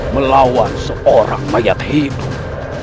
melawan seorang mayat hidup